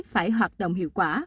phải hoạt động hiệu quả